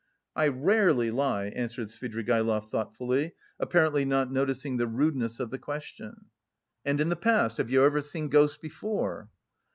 "I rarely lie," answered Svidrigaïlov thoughtfully, apparently not noticing the rudeness of the question. "And in the past, have you ever seen ghosts before?"